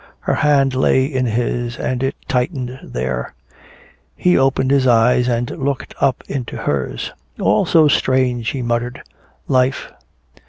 Her hand lay in his, and it tightened there. He opened his eyes and looked up into hers. "All so strange," he muttered, "life."